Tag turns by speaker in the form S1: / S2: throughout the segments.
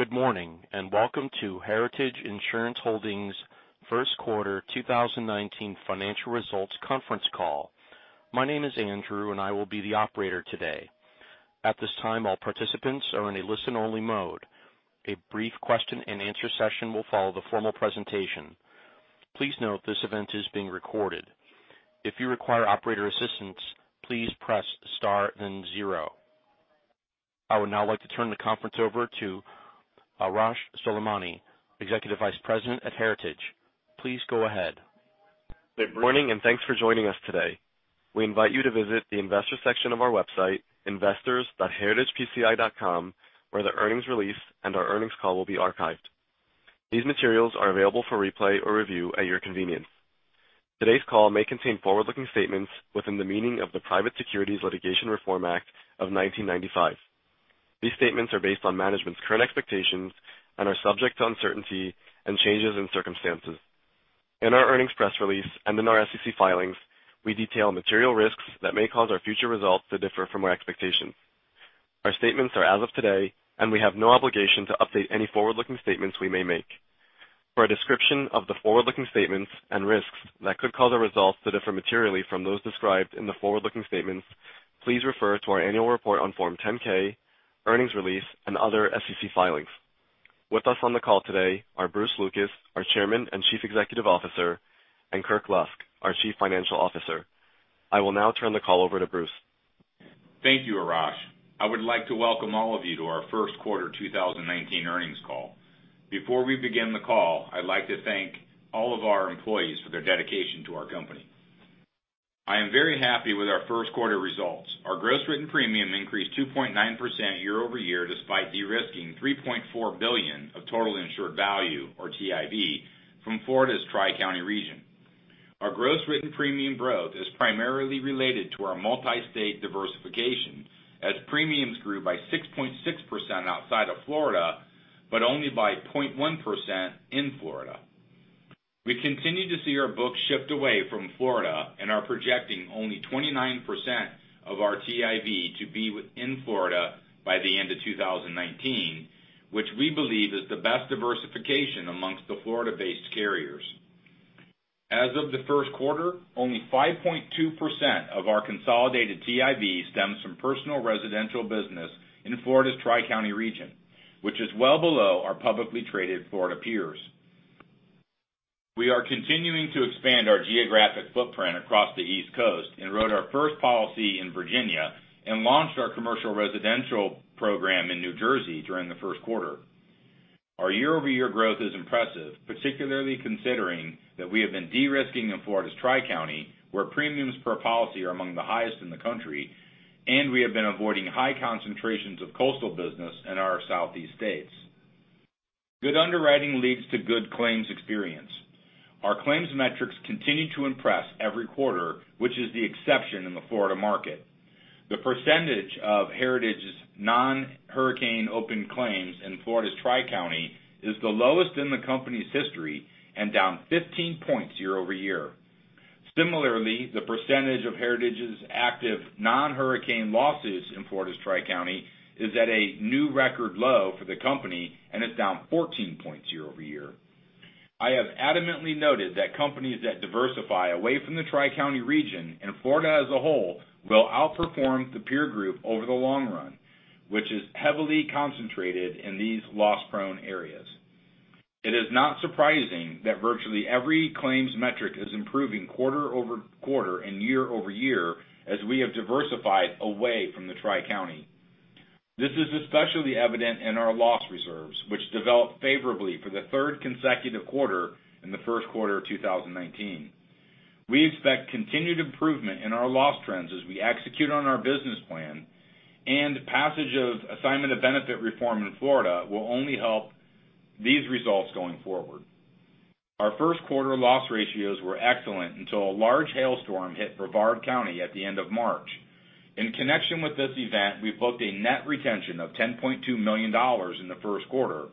S1: Good morning, and welcome to Heritage Insurance Holdings' first quarter 2019 financial results conference call. My name is Andrew, and I will be the operator today. At this time, all participants are in a listen-only mode. A brief question and answer session will follow the formal presentation. Please note this event is being recorded. If you require operator assistance, please press star then 0. I would now like to turn the conference over to Arash Soleimani, Executive Vice President at Heritage. Please go ahead.
S2: Good morning, and thanks for joining us today. We invite you to visit the investor section of our website, investors.heritagepci.com, where the earnings release and our earnings call will be archived. These materials are available for replay or review at your convenience. Today's call may contain forward-looking statements within the meaning of the Private Securities Litigation Reform Act of 1995. These statements are based on management's current expectations and are subject to uncertainty and changes in circumstances. In our earnings press release and in our SEC filings, we detail material risks that may cause our future results to differ from our expectations. Our statements are as of today, and we have no obligation to update any forward-looking statements we may make. For a description of the forward-looking statements and risks that could cause our results to differ materially from those described in the forward-looking statements, please refer to our annual report on Form 10-K, earnings release, and other SEC filings. With us on the call today are Bruce Lucas, our Chairman and Chief Executive Officer, and Kirk Lusk, our Chief Financial Officer. I will now turn the call over to Bruce.
S3: Thank you, Arash. I would like to welcome all of you to our first quarter 2019 earnings call. Before we begin the call, I'd like to thank all of our employees for their dedication to our company. I am very happy with our first quarter results. Our gross written premium increased 2.9% year-over-year, despite de-risking $3.4 billion of total insured value, or TIV, from Florida's Tri-County region. Our gross written premium growth is primarily related to our multi-state diversification as premiums grew by 6.6% outside of Florida, but only by 0.1% in Florida. We continue to see our books shift away from Florida and are projecting only 29% of our TIV to be within Florida by the end of 2019, which we believe is the best diversification amongst the Florida-based carriers. As of the first quarter, only 5.2% of our consolidated TIV stems from personal residential business in Florida's Tri-County region, which is well below our publicly traded Florida peers. We are continuing to expand our geographic footprint across the East Coast and wrote our first policy in Virginia and launched our commercial residential program in New Jersey during the first quarter. Our year-over-year growth is impressive, particularly considering that we have been de-risking in Florida's Tri-County, where premiums per policy are among the highest in the country, and we have been avoiding high concentrations of coastal business in our Southeast states. Good underwriting leads to good claims experience. Our claims metrics continue to impress every quarter, which is the exception in the Florida market. The percentage of Heritage's non-hurricane open claims in Florida's Tri-County is the lowest in the company's history and down 15 points year-over-year. Similarly, the percentage of Heritage's active non-hurricane losses in Florida's Tri-County is at a new record low for the company and is down 14 points year-over-year. I have adamantly noted that companies that diversify away from the Tri-County region and Florida as a whole will outperform the peer group over the long run, which is heavily concentrated in these loss-prone areas. It is not surprising that virtually every claims metric is improving quarter-over-quarter and year-over-year as we have diversified away from the Tri-County. This is especially evident in our loss reserves, which developed favorably for the third consecutive quarter in the first quarter of 2019. We expect continued improvement in our loss trends as we execute on our business plan, and passage of Assignment of Benefits reform in Florida will only help these results going forward. Our first quarter loss ratios were excellent until a large hailstorm hit Brevard County at the end of March. In connection with this event, we booked a net retention of $10.2 million in the first quarter.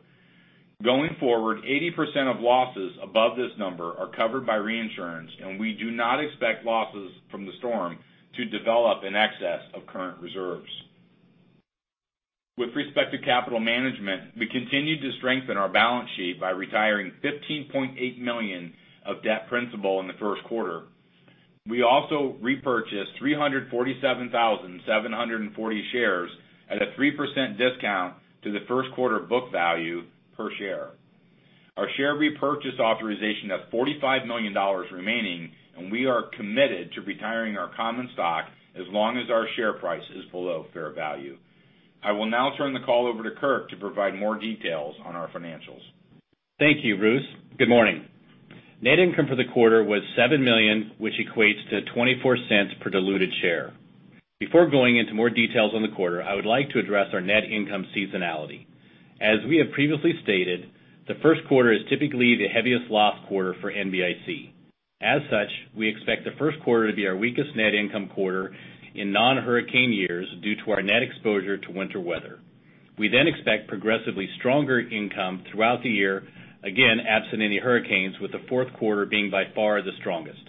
S3: Going forward, 80% of losses above this number are covered by reinsurance, and we do not expect losses from the storm to develop in excess of current reserves. With respect to capital management, we continued to strengthen our balance sheet by retiring $15.8 million of debt principal in the first quarter. We also repurchased 347,740 shares at a 3% discount to the first quarter book value per share. Our share repurchase authorization of $45 million remaining, we are committed to retiring our common stock as long as our share price is below fair value. I will now turn the call over to Kirk to provide more details on our financials.
S4: Thank you, Bruce. Good morning. Net income for the quarter was $7 million, which equates to $0.24 per diluted share. Before going into more details on the quarter, I would like to address our net income seasonality. As we have previously stated, the first quarter is typically the heaviest loss quarter for NBIC. We expect the first quarter to be our weakest net income quarter in non-hurricane years due to our net exposure to winter weather. We expect progressively stronger income throughout the year, again, absent any hurricanes, with the fourth quarter being by far the strongest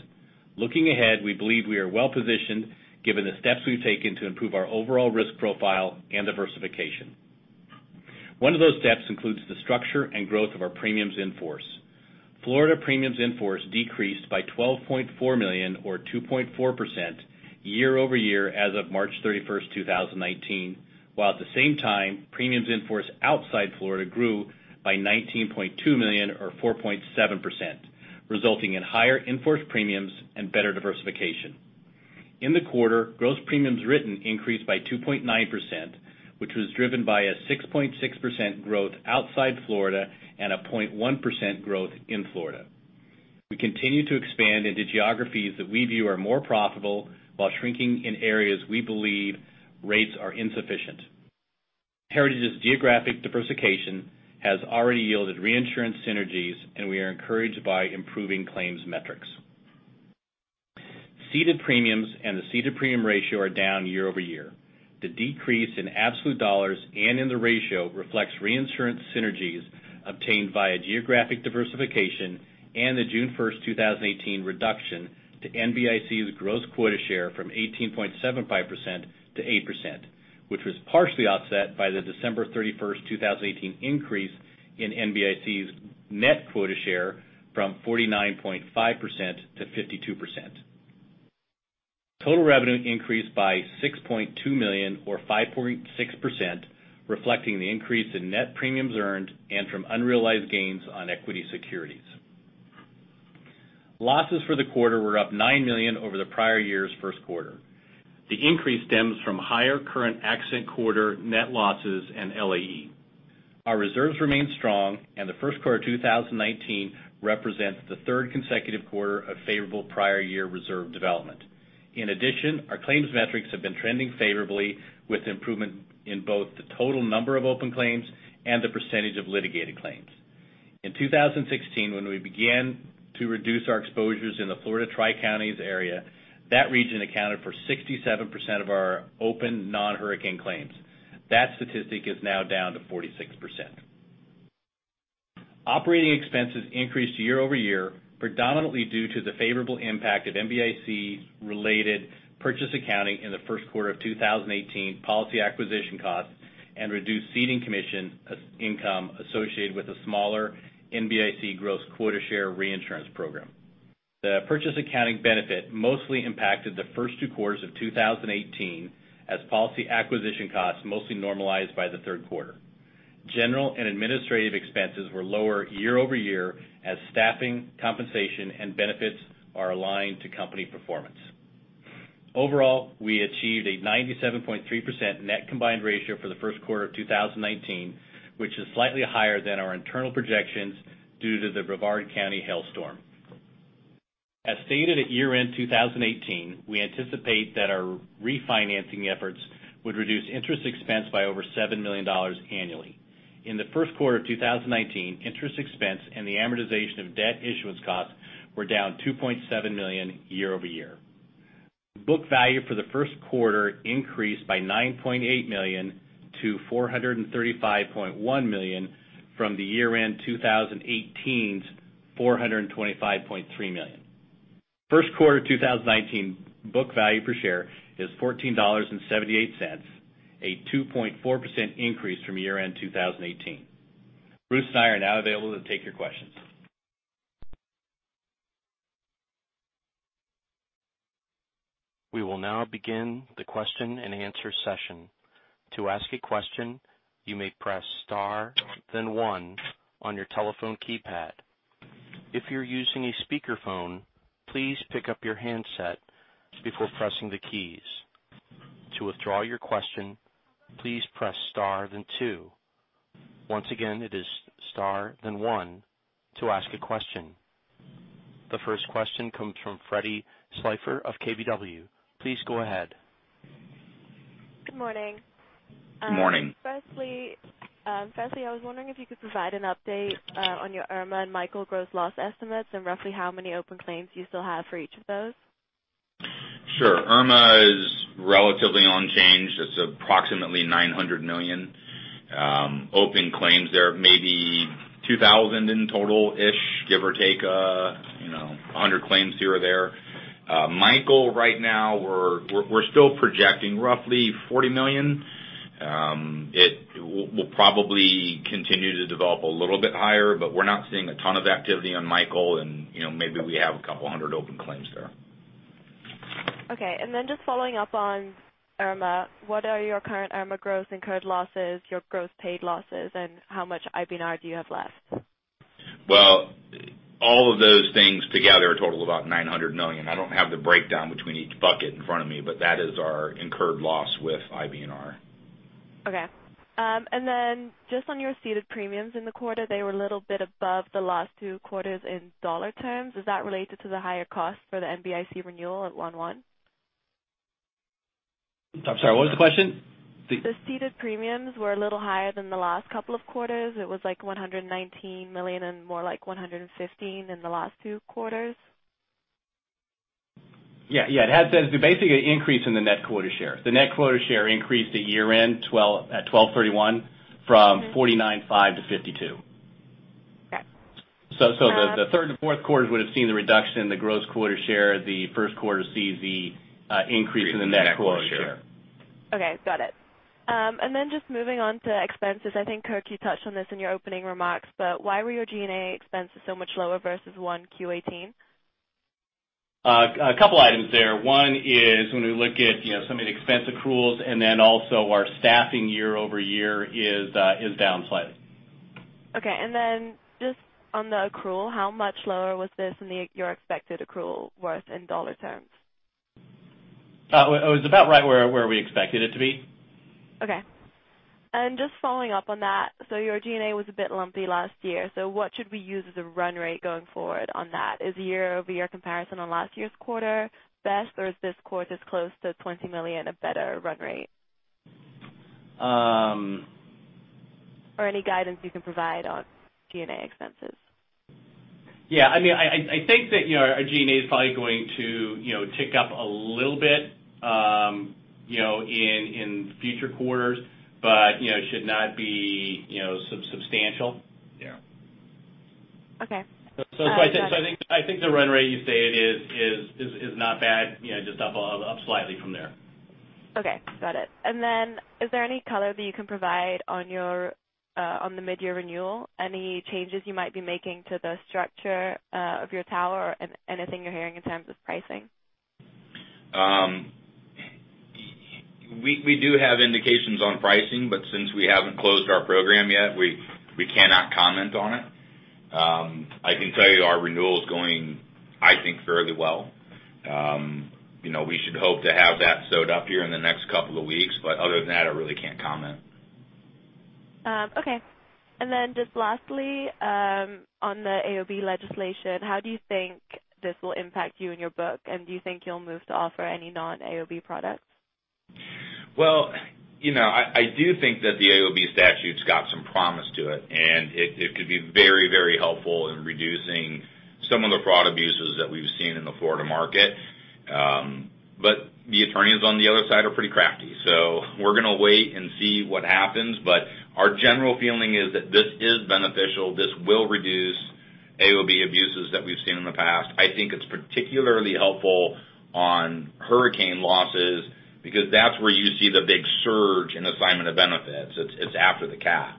S4: Looking ahead, we believe we are well-positioned given the steps we've taken to improve our overall risk profile and diversification. One of those steps includes the structure and growth of our premiums in force. Florida premiums in force decreased by 12.4 million or 2.4% year-over-year as of March 31st, 2019, while at the same time, premiums in force outside Florida grew by 19.2 million or 4.7%, resulting in higher in-force premiums and better diversification. In the quarter, gross premiums written increased by 2.9%, which was driven by a 6.6% growth outside Florida and a 0.1% growth in Florida. We continue to expand into geographies that we view are more profitable while shrinking in areas we believe rates are insufficient. Heritage's geographic diversification has already yielded reinsurance synergies, and we are encouraged by improving claims metrics. Ceded premiums and the ceded premium ratio are down year-over-year. The decrease in absolute dollars and in the ratio reflects reinsurance synergies obtained via geographic diversification and the June 1st, 2018, reduction to NBIC's gross quota share from 18.75% to 8%, which was partially offset by the December 31st, 2018, increase in NBIC's net quota share from 49.5% to 52%. Total revenue increased by $6.2 million or 5.6%, reflecting the increase in net premiums earned and from unrealized gains on equity securities. Losses for the quarter were up $9 million over the prior year's first quarter. The increase stems from higher current accident quarter net losses and LAE. Our reserves remain strong, and the first quarter 2019 represents the third consecutive quarter of favorable prior year reserve development. In addition, our claims metrics have been trending favorably with improvement in both the total number of open claims and the percentage of litigated claims. In 2016, when we began to reduce our exposures in the Florida Tri-Counties area, that region accounted for 67% of our open non-hurricane claims. That statistic is now down to 46%. Operating expenses increased year-over-year, predominantly due to the favorable impact of NBIC's related purchase accounting in the first quarter of 2018 policy acquisition costs and reduced ceding commission income associated with a smaller NBIC gross quota share reinsurance program. The purchase accounting benefit mostly impacted the first two quarters of 2018 as policy acquisition costs mostly normalized by the third quarter. General and administrative expenses were lower year-over-year as staffing, compensation, and benefits are aligned to company performance. Overall, we achieved a 97.3% net combined ratio for the first quarter of 2019, which is slightly higher than our internal projections due to the Brevard County hailstorm. As stated at year-end 2018, we anticipate that our refinancing efforts would reduce interest expense by over $7 million annually. In the first quarter of 2019, interest expense and the amortization of debt issuance costs were down $2.7 million year-over-year. Book value for the first quarter increased by $9.8 million to $435.1 million from the year-end 2018's $425.3 million. First quarter 2019 book value per share is $14.78, a 2.4% increase from year-end 2018. Bruce and I are now available to take your questions.
S1: We will now begin the question and answer session. To ask a question, you may press star then one on your telephone keypad. If you're using a speakerphone, please pick up your handset before pressing the keys. To withdraw your question, please press star then two. Once again, it is star then one to ask a question. The first question comes from Freddie Slyfer of KBW. Please go ahead.
S5: Good morning.
S3: Good morning.
S5: Firstly, I was wondering if you could provide an update on your Irma and Michael gross loss estimates and roughly how many open claims you still have for each of those.
S4: Sure. Irma is relatively unchanged. It's approximately $900 million open claims there, maybe 2,000 in total-ish, give or take 100 claims here or there. Michael, right now we're still projecting roughly $40 million. It will probably continue to develop a little bit higher, but we're not seeing a ton of activity on Michael and maybe we have a couple of hundred open claims there.
S5: Okay. Just following up on Hurricane Irma, what are your current Hurricane Irma gross incurred losses, your gross paid losses, and how much IBNR do you have left?
S4: Well, all of those things together total about $900 million. I don't have the breakdown between each bucket in front of me, but that is our incurred loss with IBNR.
S5: Okay. Just on your ceded premiums in the quarter, they were a little bit above the last two quarters in dollar terms. Is that related to the higher cost for the NBIC renewal at one-one?
S4: I'm sorry, what was the question?
S5: The ceded premiums were a little higher than the last couple of quarters. It was like $119 million and more like $115 million in the last two quarters.
S4: Yeah. It has basically an increase in the net quota share. The net quota share increased at year-end at 12/31 from 49.5 to 52.
S5: Okay.
S4: The third and fourth quarters would have seen the reduction in the gross quota share. The first quarter sees the increase in the net quota share.
S5: Okay, got it. Just moving on to expenses. I think, Kirk, you touched on this in your opening remarks, why were your G&A expenses so much lower versus 1Q18?
S4: A couple items there. One is when we look at some of the expense accruals, and then also our staffing year-over-year is down slightly.
S5: Okay, just on the accrual, how much lower was this than your expected accrual worth in dollar terms?
S4: It was about right where we expected it to be.
S5: Just following up on that, your G&A was a bit lumpy last year. What should we use as a run rate going forward on that? Is year-over-year comparison on last year's quarter best, or is this quarter's close to $20 million a better run rate? Any guidance you can provide on G&A expenses.
S4: Yeah, I think that our G&A is probably going to tick up a little bit in future quarters, but it should not be substantial.
S3: Yeah.
S5: Okay.
S4: I think the run rate you stated is not bad, just up slightly from there.
S5: Okay, got it. Is there any color that you can provide on the mid-year renewal? Any changes you might be making to the structure of your tower or anything you're hearing in terms of pricing?
S3: We do have indications on pricing, Since we haven't closed our program yet, we cannot comment on it. I can tell you our renewal is going, I think, fairly well. We should hope to have that sewed up here in the next couple of weeks, Other than that, I really can't comment.
S5: Okay. Then just lastly, on the AOB legislation, how do you think this will impact you and your book? Do you think you'll move to offer any non-AOB products?
S3: Well, I do think that the AOB statute's got some promise to it, and It could be very helpful in reducing some of the fraud abuses that we've seen in the Florida market. The attorneys on the other side are pretty crafty, so We're going to wait and see what happens. Our general feeling is that this is beneficial. This will reduce AOB abuses that we've seen in the past. I think it's particularly helpful on hurricane losses because that's where you see the big surge in Assignment of Benefits. It's after the CAT.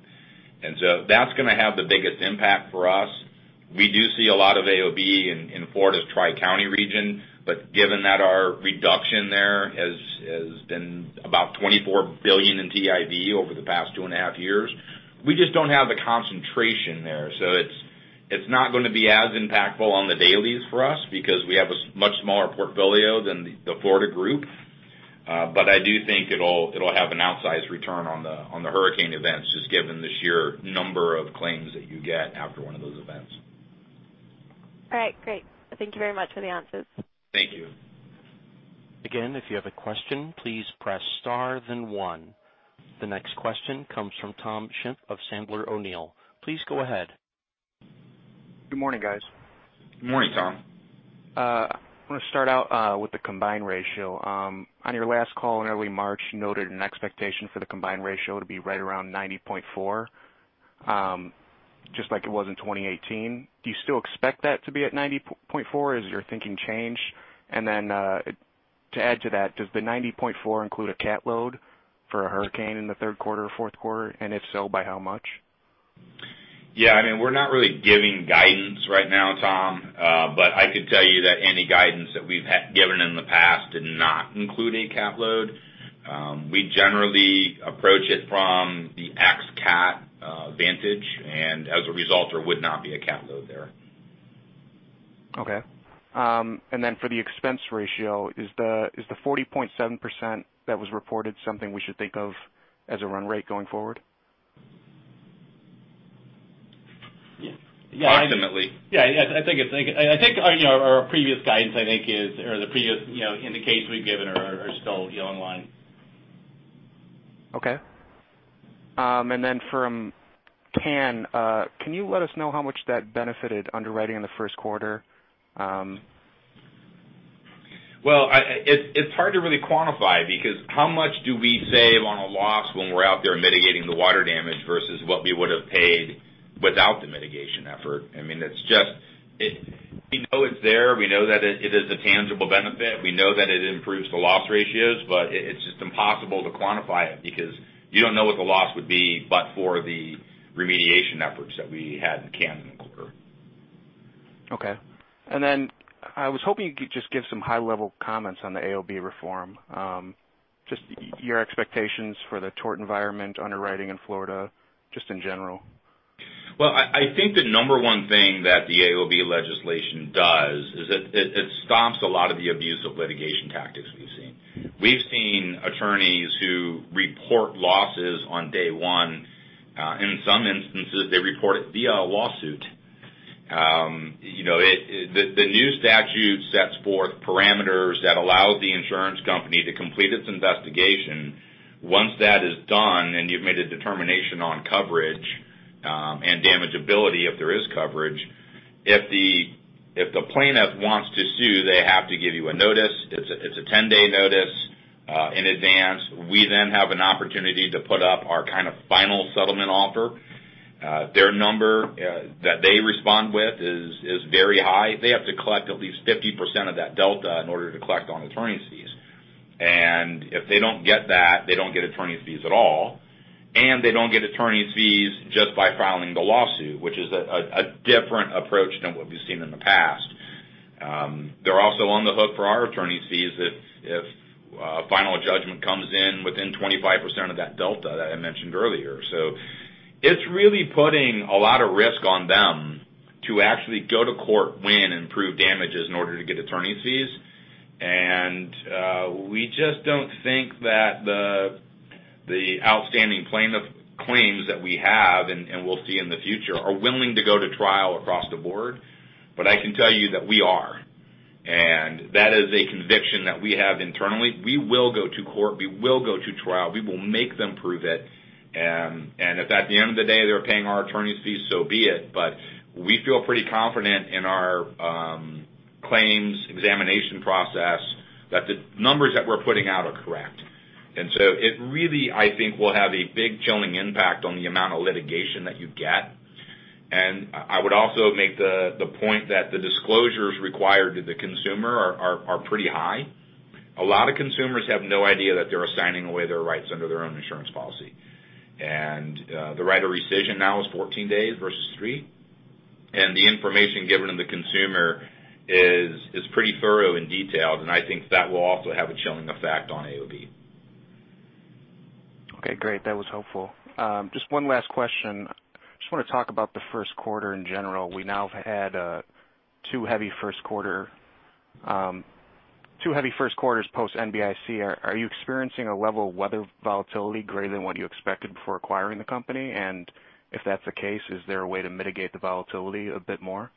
S3: That's going to have the biggest impact for us. We do see a lot of AOB in Florida's Tri-County region, but given that our reduction there has been about $24 billion in TIV over the past two and a half years, we just don't have the concentration there. It's not going to be as impactful on the dailies for us because we have a much smaller portfolio than the Florida group. I do think it'll have an outsized return on the hurricane events, just given the sheer number of claims that you get after one of those events.
S5: All right, great. Thank you very much for the answers.
S3: Thank you.
S1: Again, if you have a question, please press star then one. The next question comes from Tom Shimp of Sandler O'Neill. Please go ahead.
S6: Good morning, guys.
S3: Good morning, Tom.
S6: I want to start out with the combined ratio. On your last call in early March, you noted an expectation for the combined ratio to be right around 90.4, just like it was in 2018. Do you still expect that to be at 90.4? Has your thinking changed? Then to add to that, does the 90.4 include a CAT load for a hurricane in the third quarter or fourth quarter? If so, by how much?
S3: Yeah, we're not really giving guidance right now, Tom. I could tell you that any guidance that we've given in the past did not include a CAT load. We generally approach it from the ex CAT vantage, as a result, there would not be a CAT load there.
S6: Okay. Then for the expense ratio, is the 40.7% that was reported something we should think of as a run rate going forward?
S3: Yes.
S4: Approximately.
S3: Yeah. I think our previous guidance, I think is, or the previous indications we've given are still along the line.
S6: Okay. Then, can you let us know how much that benefited underwriting in the first quarter?
S4: Well, it's hard to really quantify because how much do we save on a loss when we're out there mitigating the water damage versus what we would have paid without the mitigation effort? We know it's there. We know that it is a tangible benefit. We know that it improves the loss ratios, but it's just impossible to quantify it because you don't know what the loss would be but for the remediation efforts that we had in can occur.
S6: Okay. Then I was hoping you could just give some high-level comments on the AOB reform, just your expectations for the tort environment underwriting in Florida, just in general.
S3: Well, I think the number one thing that the AOB legislation does is it stops a lot of the abusive litigation tactics we've seen. We've seen attorneys who report losses on day one. In some instances, they report it via lawsuit. The new statute sets forth parameters that allow the insurance company to complete its investigation. Once that is done and you've made a determination on coverage, and damageability if there is coverage. If the plaintiff wants to sue, they have to give you a notice. It's a 10-day notice in advance. We then have an opportunity to put up our kind of final settlement offer. Their number that they respond with is very high. They have to collect at least 50% of that delta in order to collect on attorney's fees. If they don't get that, they don't get attorney's fees at all, and they don't get attorney's fees just by filing the lawsuit, which is a different approach than what we've seen in the past. They're also on the hook for our attorney's fees if a final judgment comes in within 25% of that delta that I mentioned earlier. It's really putting a lot of risk on them to actually go to court, win, and prove damages in order to get attorney's fees. We just don't think that the outstanding plaintiff claims that we have, and will see in the future, are willing to go to trial across the board, but I can tell you that we are. That is a conviction that we have internally. We will go to court. We will go to trial. We will make them prove it. If at the end of the day, they're paying our attorney's fees, so be it. We feel pretty confident in our claims examination process that the numbers that we're putting out are correct. It really, I think, will have a big chilling impact on the amount of litigation that you get. I would also make the point that the disclosures required to the consumer are pretty high. A lot of consumers have no idea that they're assigning away their rights under their own insurance policy. The right of rescission now is 14 days versus three. The information given to the consumer is pretty thorough and detailed, and I think that will also have a chilling effect on AOB.
S6: Okay, great. That was helpful. Just one last question. Just want to talk about the first quarter in general. We now have had two heavy first quarters post-NBIC. Are you experiencing a level of weather volatility greater than what you expected before acquiring the company? If that's the case, is there a way to mitigate the volatility a bit more?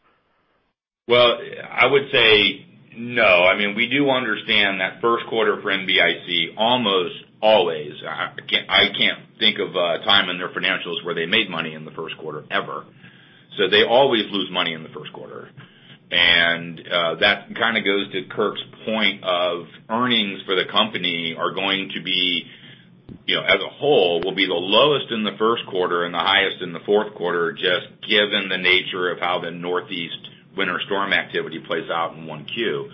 S3: Well, I would say no. We do understand that first quarter for NBIC almost always. I can't think of a time in their financials where they made money in the first quarter, ever. They always lose money in the first quarter. That kind of goes to Kirk's point of earnings for the company are going to be, as a whole, will be the lowest in the first quarter and the highest in the fourth quarter, just given the nature of how the Northeast winter storm activity plays out in 1 Q.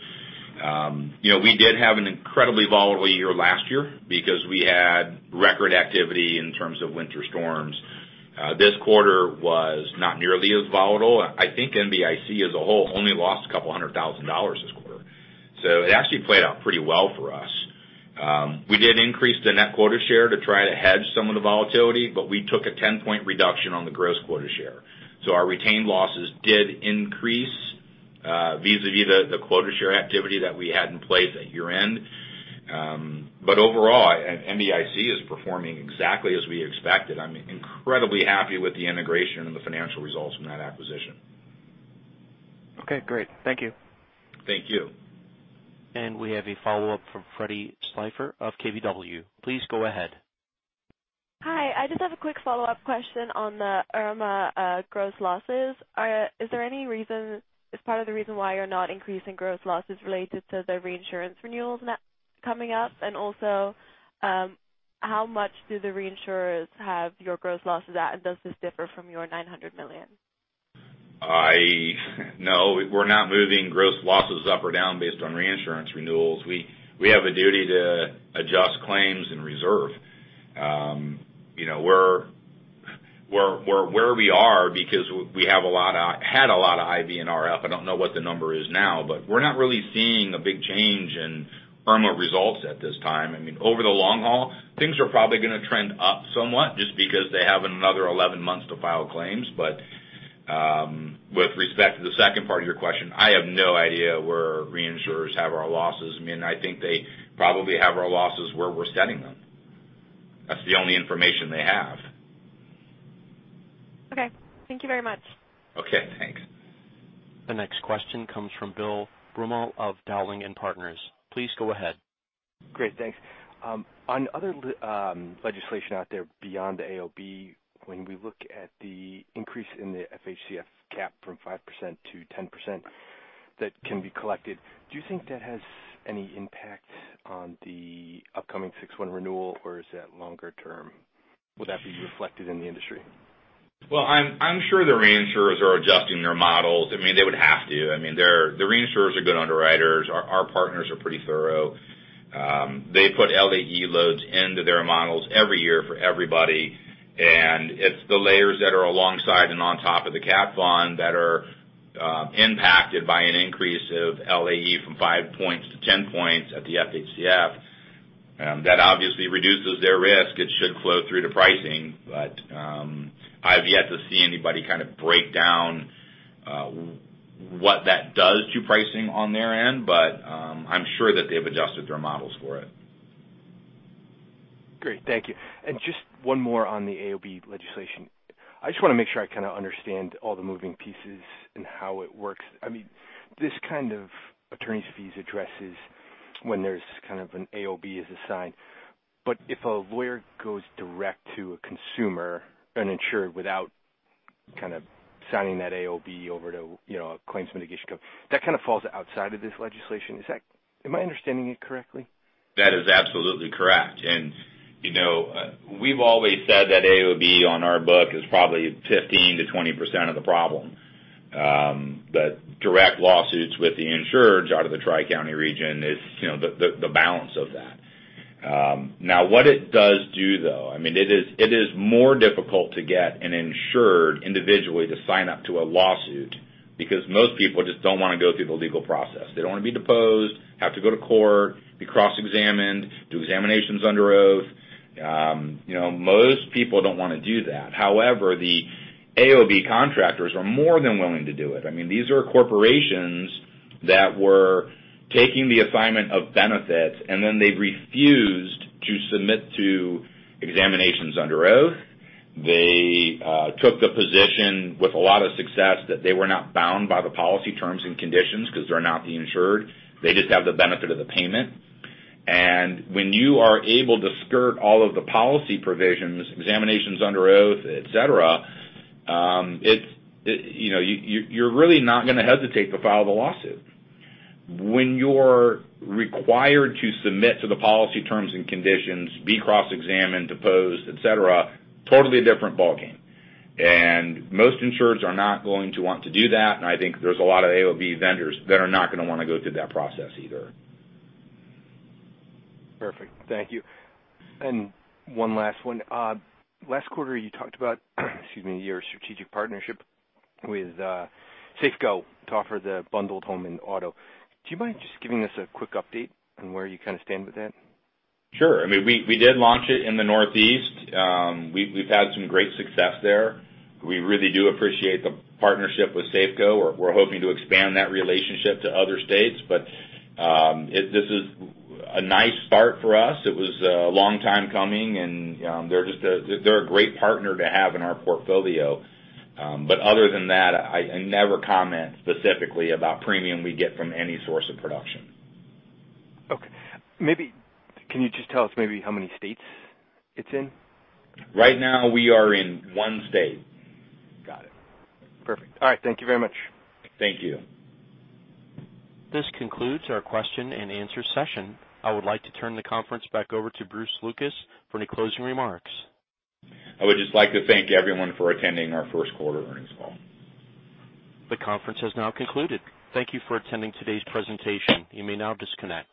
S3: We did have an incredibly volatile year last year because we had record activity in terms of winter storms. This quarter was not nearly as volatile. I think NBIC as a whole only lost a couple of hundred thousand dollars this quarter. It actually played out pretty well for us. We did increase the net quota share to try to hedge some of the volatility, we took a 10-point reduction on the gross quota share. Our retained losses did increase vis-a-vis the quota share activity that we had in place at year-end. Overall, NBIC is performing exactly as we expected. I'm incredibly happy with the integration and the financial results from that acquisition.
S6: Okay, great. Thank you.
S3: Thank you.
S1: We have a follow-up from Freddie Slifer of KBW. Please go ahead.
S5: Hi. I just have a quick follow-up question on the Irma gross losses. Is part of the reason why you're not increasing gross losses related to the reinsurance renewals coming up? Also, how much do the reinsurers have your gross losses at, and does this differ from your $900 million?
S3: No, we're not moving gross losses up or down based on reinsurance renewals. We have a duty to adjust claims and reserve. We're where we are because we had a lot of IBNR up. I don't know what the number is now, but we're not really seeing a big change in Irma results at this time. Over the long haul, things are probably going to trend up somewhat just because they have another 11 months to file claims. With respect to the second part of your question, I have no idea where reinsurers have our losses. I think they probably have our losses where we're sending them. That's the only information they have.
S5: Okay. Thank you very much.
S3: Okay, thanks.
S1: The next question comes from Bill Brummel of Dowling & Partners. Please go ahead.
S7: Great, thanks. Other legislation out there beyond the AOB, when we look at the increase in the FHCF cap from 5% to 10% that can be collected, do you think that has any impact on the upcoming 6/1 renewal, or is that longer term? Will that be reflected in the industry?
S3: I'm sure the reinsurers are adjusting their models. They would have to. The reinsurers are good underwriters. Our partners are pretty thorough. They put LAE loads into their models every year for everybody, and it's the layers that are alongside and on top of the cat bond that are impacted by an increase of LAE from five points to 10 points at the FHCF. That obviously reduces their risk. It should flow through to pricing, but I've yet to see anybody kind of break down what that does to pricing on their end, but I'm sure that they've adjusted their models for it.
S7: Great. Thank you. Just one more on the AOB legislation. I just want to make sure I kind of understand all the moving pieces and how it works. This kind of attorney's fees addresses when there's kind of an AOB is assigned. If a lawyer goes direct to a consumer, an insured, without signing that AOB over to a claims mitigation co, that kind of falls outside of this legislation. Am I understanding it correctly?
S3: That is absolutely correct. We've always said that AOB on our book is probably 15%-20% of the problem. The direct lawsuits with the insurers out of the Tri-County region is the balance of that. What it does do, though, it is more difficult to get an insured individually to sign up to a lawsuit because most people just don't want to go through the legal process. They don't want to be deposed, have to go to court, be cross-examined, do examinations under oath. Most people don't want to do that. However, the AOB contractors are more than willing to do it. These are corporations that were taking the Assignment of Benefits, they refused to submit to examinations under oath. They took the position with a lot of success that they were not bound by the policy terms and conditions because they're not the insured. They just have the benefit of the payment. When you are able to skirt all of the policy provisions, examinations under oath, et cetera, you're really not going to hesitate to file the lawsuit. When you're required to submit to the policy terms and conditions, be cross-examined, deposed, et cetera, totally different ballgame. Most insurers are not going to want to do that, and I think there's a lot of AOB vendors that are not going to want to go through that process either.
S7: Perfect. Thank you. One last one. Last quarter, you talked about, excuse me, your strategic partnership with Safeco to offer the bundled home and auto. Do you mind just giving us a quick update on where you kind of stand with that?
S3: Sure. We did launch it in the Northeast. We've had some great success there. We really do appreciate the partnership with Safeco. We're hoping to expand that relationship to other states. This is a nice start for us. It was a long time coming, and they're a great partner to have in our portfolio. Other than that, I never comment specifically about premium we get from any source of production.
S7: Okay. Can you just tell us maybe how many states it's in?
S3: Right now we are in one state.
S7: Got it. Perfect. All right. Thank you very much.
S3: Thank you.
S1: This concludes our question and answer session. I would like to turn the conference back over to Bruce Lucas for any closing remarks.
S3: I would just like to thank everyone for attending our first quarter earnings call.
S1: The conference has now concluded. Thank you for attending today's presentation. You may now disconnect.